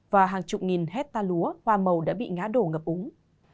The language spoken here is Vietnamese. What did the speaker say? và hàng chục nghìn hecta lúa hoa màu đã bị ngá đổ ngập úng